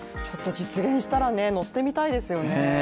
実現したら乗ってみたいですよね。